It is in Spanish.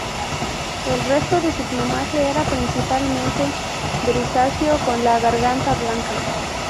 El resto de su plumaje era principalmente grisáceo, con la garganta blanca.